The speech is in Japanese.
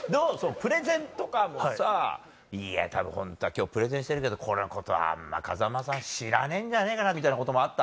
プレゼンとかもさ今日プレゼンしてるけどこのことはあんま風間さん知らねえんじゃねぇかなみたいなこともあった？